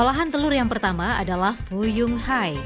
olahan telur yang pertama adalah fuyung hai